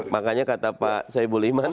makanya kata pak soebul iman